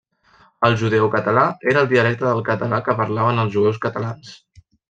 El judeocatalà era el dialecte del català que parlaven els jueus catalans.